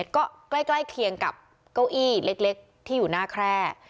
ก็ใกล้เคียงกับเก้าอี้เล็กที่อยู่หน้าแคร่